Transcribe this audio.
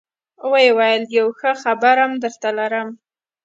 ويې ويل يو ښه خبرم درته لرم.